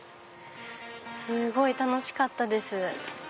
すごい楽しかったです。